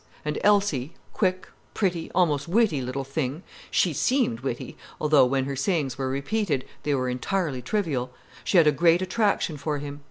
And Elsie, quick, pretty, almost witty little thing—she seemed witty, although, when her sayings were repeated, they were entirely trivial—she had a great attraction for him.